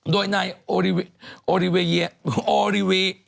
โดยใน